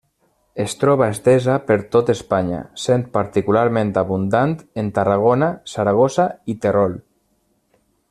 Es troba estesa per tot Espanya, sent particularment abundant en Tarragona, Saragossa i Terol.